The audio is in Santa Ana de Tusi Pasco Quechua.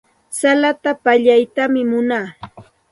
Salata pallaytam munaa.